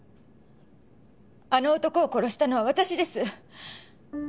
あの男を殺したのは私です。